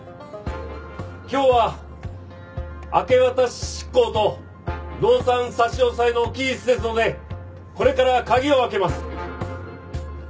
今日は明け渡し執行と動産差し押さえの期日ですのでこれから鍵を開けます。